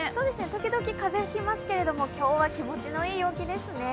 時々風が吹きますけれども、今日は気持ちのいい陽気ですね。